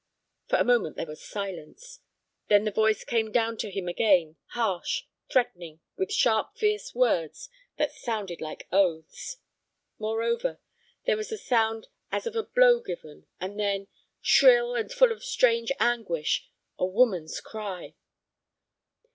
For a moment there was silence. Then the voice came down to him again, harsh, threatening, with sharp, fierce words that sounded like oaths. Moreover, there was the sound as of a blow given, and then—shrill and full of strange anguish—a woman's cry.